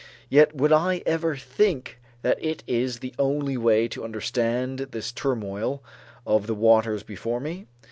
Yet would I ever think that it is the only way to understand this turmoil of the waters before me?